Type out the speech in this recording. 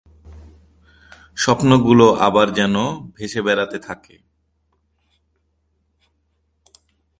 স্বপ্নগুলো আবার যেন ভেসে বেড়াতে থাকে।